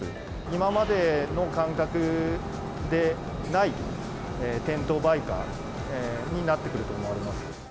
今までの感覚でない店頭売価になってくると思われます。